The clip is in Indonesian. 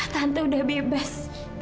tante udah bebas